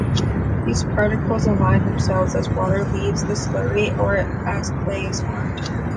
These particles align themselves as water leaves the slurry, or as clay is formed.